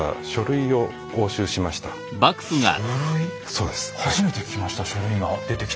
そうです。